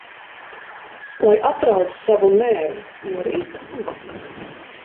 Lai apraud savu mēli no rīta un vakarā.